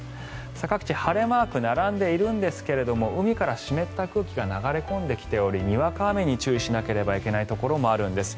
各地、晴れマーク並んでいるんですが海から湿った空気が流れ込んできておりにわか雨に注意しなければいけないところもあるんです。